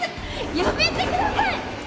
やめてください！